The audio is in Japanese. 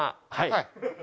はい。